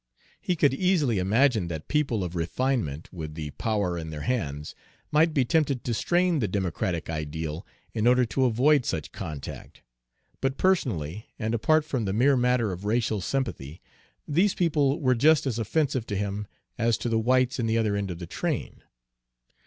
He could easily imagine that people of refinement, with the power in their hands, might be tempted to strain the democratic ideal in order to avoid such contact; but personally, and apart from the mere matter of racial sympathy, these people were just as offensive to him as to the whites in the other end of the train.